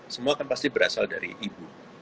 semua kan pasti berasal dari ibu